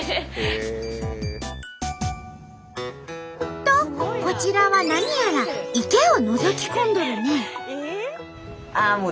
とこちらは何やら池をのぞき込んどるね。